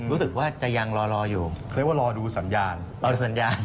รู้สึกว่าจะยังรออยู่เขาเรียกว่ารอดูสัญญาณรอสัญญาณ